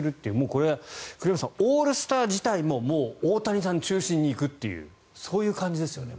これは栗山さんオールスター自体ももう大谷さん中心に行くっていうそういう感じですよね。